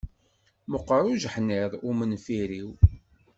Meqqeṛ ujeḥniḍ umenferriw.